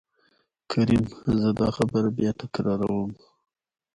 کريم :زه دا خبره بيا تکرار وم.